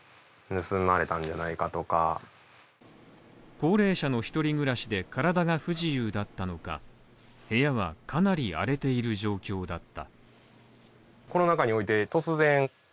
高齢者の一人暮らしで体が不自由だったのか、部屋はかなり荒れている状況だった。